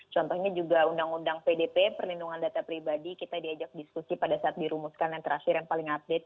contohnya juga undang undang pdp perlindungan data pribadi kita diajak diskusi pada saat dirumuskan yang terakhir yang paling update